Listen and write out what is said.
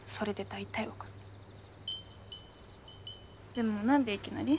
でも何でいきなり？